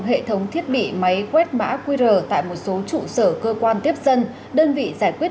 hệ thống thiết bị máy quét mã qr tại một số trụ sở cơ quan tiếp dân đơn vị giải quyết